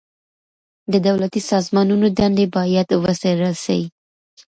د دولتي سازمانونو دندي بايد وڅېړل سي.